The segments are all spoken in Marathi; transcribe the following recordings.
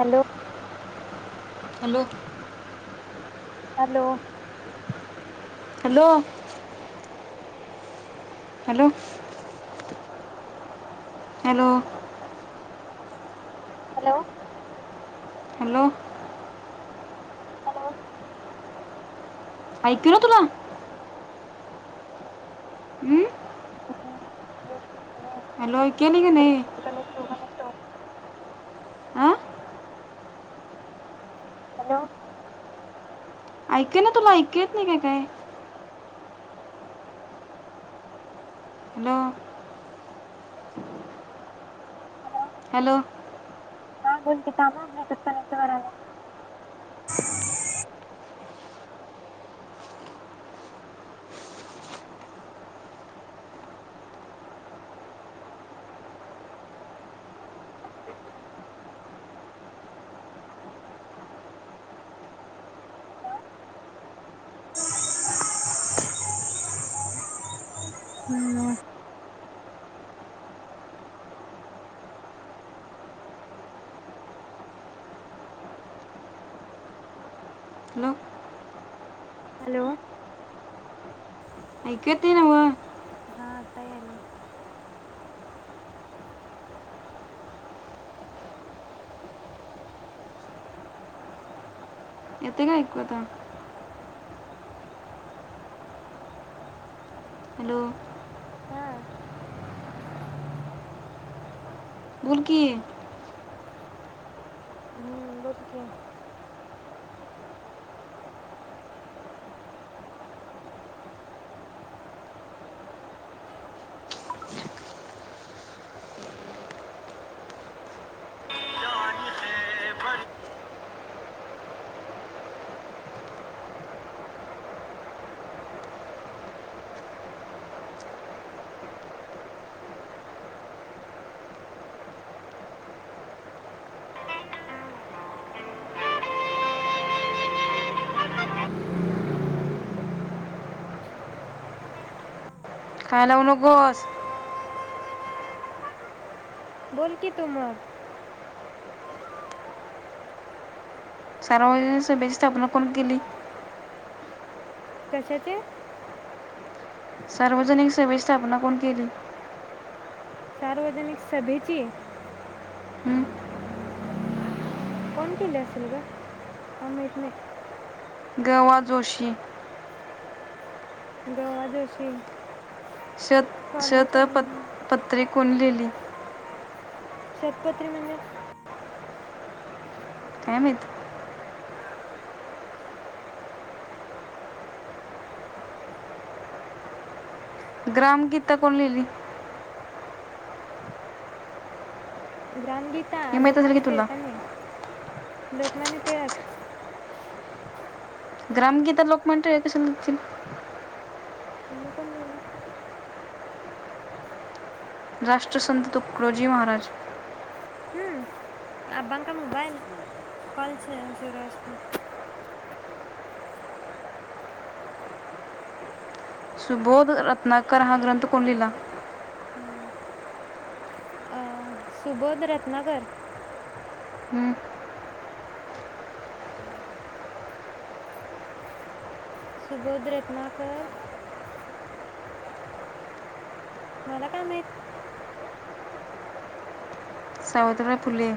Hello hello hello hello hello hello hello hello hello ऐकू तुला हम्म ह् हॅलो केली क नाही कनेक्ट हा हॅलो ऐकय ना तुला ऐकेत नाही का काय हॅलो हॅलो ना गन काम आपट क नट वरा आहे हम् हॅलो हॅलो ऐकु येतय नव्ह हा आता यालय येतय काय ऐकु आता हॅलो हा बोलकीी हम्म बोल कि [unintelligible] काय लावू नगोस बोलकीी तु मग सार्वजनिक सभेची स्थापना कोणी केली कशाची सार्वजनिक सभेची स्थापना कोणी केली सार्वजनिक सभेची हं? कोण केली असल ग काय माहित नाही गवा जोशी दवाजोशी शत शत प पत्रि कोणी लिहिली शतपत्री म्हणजे काय माहित ग्रामगीता कोणी लिहिली ग्राम गी माहीत असेल लोकमान्य की तुला टिळकांनी लोकमान्य टिळक ग्रामगीता लोक म्हणतोय कसे [inaudible] तुमी पण घेऊन य राष्ट्रसंत तुकडोजी महाराज आबांका मोबाईल कॉल शुरू हे उसपे सुबोध रत्ना तर हा ग्रंथ कोण अरे लिहिला भाई अ सुबोध रत्नाकर हं, आता हे कोणतं? सुबोध रत्नाकर मला काय माहित सावित्रीबाई फुले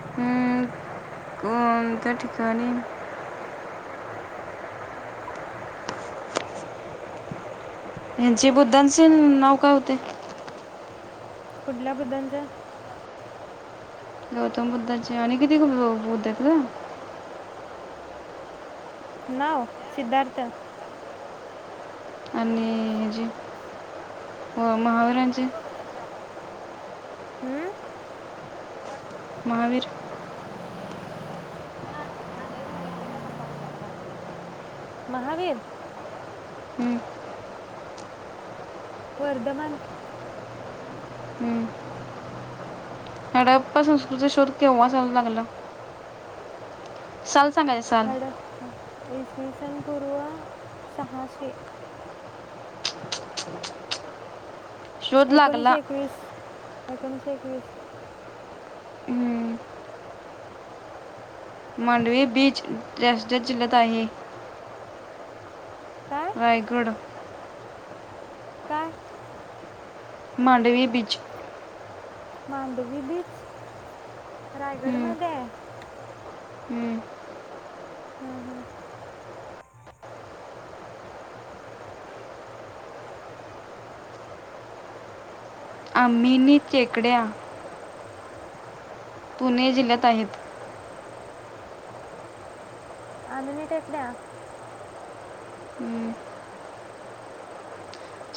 हं, कोणत्या ठिकाणी ह्यांचे बुद्धांचे नाव काय होते पुढल्या बुद्धांच्या गौतम बुद्धाची आणि किती बुद्ध [inaudible] नाव सिद्धार्थ आणि हो मुहावरांची हम्म महावीर महावीर हं, वर्धमान हं. हडप्पा संस्कृतीचा शोध केव्हा चालू लागला साल सांगायचं साल हडप इसवीसनपूर्व सहाशे शोध लागला एकोणीशे एकवीस एकोणीशे एकवीस हं. मांडवी बीच डाॅशडाॅश जिल्ह्यात आहे काय रायगड काय मांडवी बीच मांडवी बीच हम्म, रायगडमध्येय हम्म. हम्म हम्म आमिनी चेेकड्या पुणे जिल्ह्यात आहेत आमिनी टेकड्या हम्म.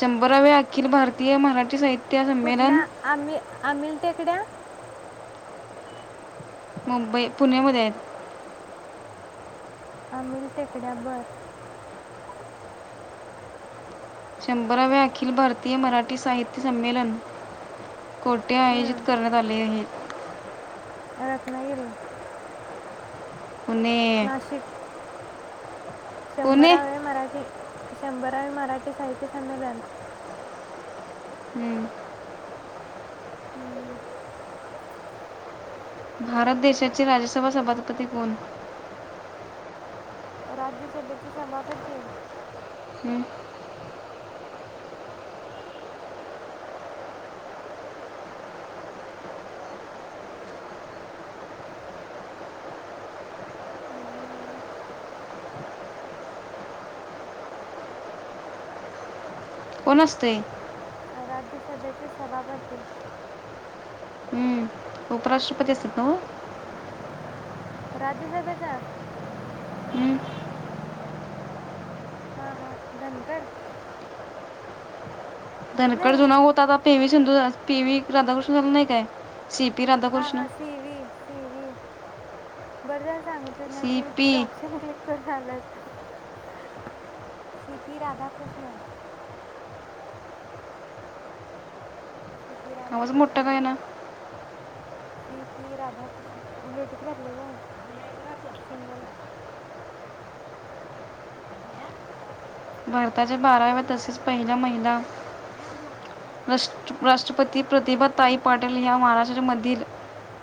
शंभराव्या अखिल भारतीय मराठी साहित्य संमेलन कुठल्या आम्ही आमिल टेकड्या मुंबई पुण्यामध्ये आहेत. आमिल टेकड्या भर शंभराव्या अखिल भारतीय मराठी साहित्य संमेलन कोठे आयोजित हं. करण्यात आले आहे. रत्नागिरी. पुणे नाशिक. पुणे शंभराव्या मराठी शंभरावे मराठी साहित्य संमेलन. हम्म. हं. भारत देशाचे राज्यसभा सभापती कोण? राज्यसभेचे सभापती. हम्म. अं, कोन असतयं. राज्यसभेचे सभापती. हम्म. उपराष्ट्रपती असतेत नव्ह? राज्यसभेचा हम्म. हा हा धनकड. धनकड जुना होता आता तेवीस सिंधू पी वी राधाकृष्ण झाला नाही काय शि हां हां सीवी सीवी. बरझालं. सांगितलं नाही सी पी ते ऑप्शन क्लिक कर. चालत. C P Radhakrishnan. C P आवाज मोठा राधाकृष्णन. काय ना सी पी राधाकृष्णन ब्लुटूथ घातलंय ग भैया इधर आ तो सिंगलाय बर. त्याच्या ए बाराव्या भैया तसेच पहिल्या महिला यहाँ बाहर बात राष्ट्र राष्ट्रपती प्रतिभा मैं ताई प्लीज पाटील बैठी ह्या होता महाराष्ट्राच्या मधील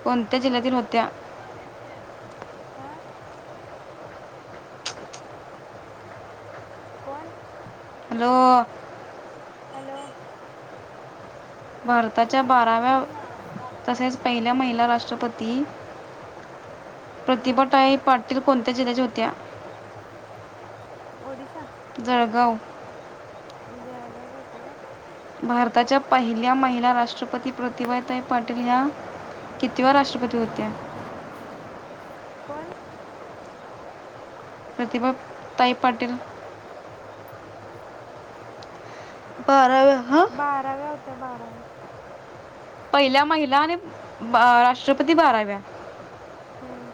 कोणत्या जिल्ह्यातील होत्या? आहेस क्या हां कोण? हॅलो. हॅलो. भारताच्या माझ्या बाराव्या सोतीला दादा बैठी तसेच माझ्या पहिल्या महिला खोलीला राष्ट्रपती हम्म, प्रतिभा ताई पाट- तील कोणत्या जिल्याच्या होत्या? ओडिशा. जळगाव. जादा घेता काय? भारताच्या पहिल्या महिला राष्ट्रपती ते प्रतिभा ताई मोबाईल पाटील मध्ये ह्या आपण काढतो कितव्या राष्ट्रपती होत्या? कोण? प्रतिभा ताई पाटील. बाराव्या हां बाराव्या होत. त्या बाराव्या. पहिल्या, महिला आणि राष्ट्रपती बाराव्या. हम्म,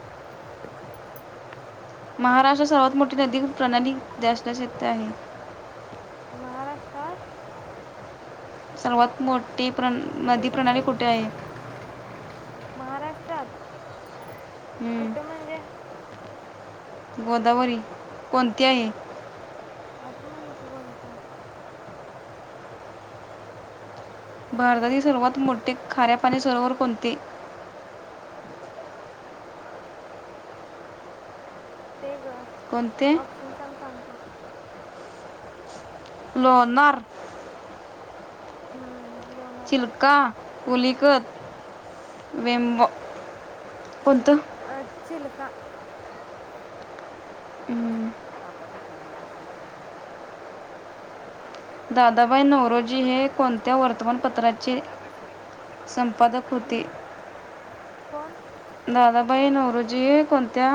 महाराष्ट्रात सर्वात मोठी नदी प्रणाली डॅश डॅश येथे आहे. महाराष्ट्रात सर्वात मोठी प्रण नदी लई डास प्रणाली कुठे गं. आहे? महाराष्ट्रात हम्म, कुठं म्हणजे? गोदावरी कोणती आहे? अस म्हण कि कोणतं. भारतातील सर्वात मोठे खाऱ्यापाणी सरोवर कोणती? ते ग कोणते? ऑप्शन पण सांगतो. लोणार. हम्म. लोणार चिलका पुुली. क वें [unintelligible] कोणतं? अ चिलका. हम्म, [unintelligible] दादा भाई नवरोजी हे कोणत्या वर्तमानपत्राचे सं पादक होते. हम्म, कोण? दादा भाई नवरजी कोणत्या,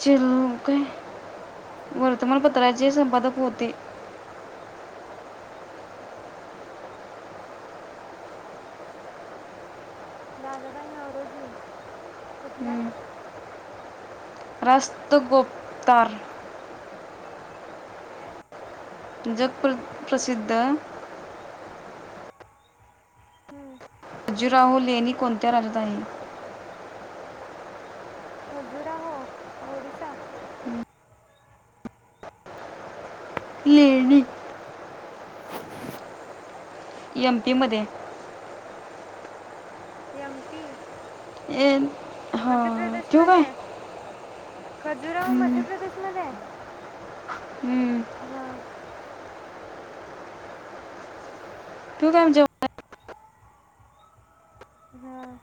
चि [unintelligible] काय वर्तमानपत्राचे संपादक होते? दादाबाई नवरोजी, कुठल्या? रास्त गोपतार. जगप प्र प्रसिद्ध हम्म, जीराहू लेणी कोणत्या राजधानी? खजुराहो ओडिसा? लेणी. एम पी मध्ये. M P. ये म. हा, ठेवू काय? खजुराऊ हम्म, मध्य प्रदेश मध्ये आहे? हम्म. हा. तू [unintelligible] हां